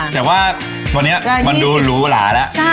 แต่ว่าตรงนี้มันดูหลูหราละ